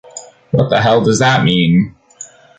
What the hell does that mean?